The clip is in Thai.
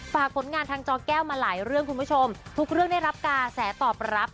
ฝากผลงานทางจอแก้วมาหลายเรื่องคุณผู้ชมทุกเรื่องได้รับกระแสตอบรับ